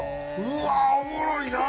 うわーおもろいな！